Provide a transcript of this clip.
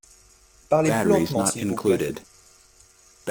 Parlez plus lentement s’il vous plait.